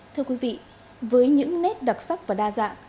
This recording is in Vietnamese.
thưa quý vị với những nét đặc sắc và đa dạng